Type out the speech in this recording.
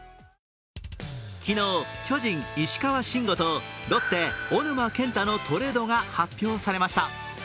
昨日、巨人・石川慎吾とロッテ・小沼健太のトレードが発表されました。